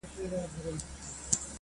دا برخه د کيسې تر ټولو توره مرحله ده،